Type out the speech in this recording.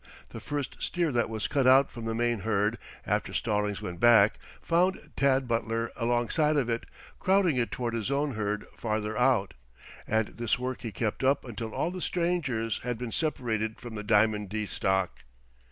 The first steer that was cut out from the main herd, after Stallings went back, found Tad Butler alongside of it, crowding it toward his own herd farther out. And this work he kept up until all the strangers had been separated from the Diamond D stock.